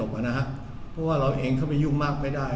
เพราะเป็นเราเองเหมาะไม่ได้